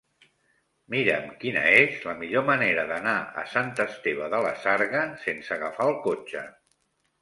Mira'm quina és la millor manera d'anar a Sant Esteve de la Sarga sense agafar el cotxe.